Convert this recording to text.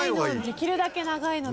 できるだけ長いので。